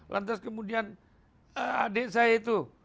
lantas kemudian adik saya itu